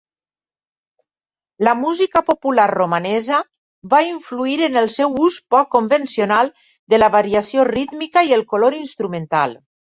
La música popular romanesa va influir en el seu ús poc convencional de la variació rítmica i el color instrumental.